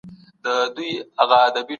پخواني دودونه بايد وساتل سي.